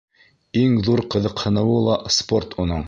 Иң ҙур ҡыҙыҡһыныуы ла спорт уның.